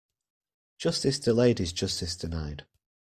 Justice delayed is justice denied.